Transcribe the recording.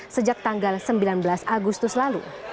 sejak tanggal sembilan belas agustus lalu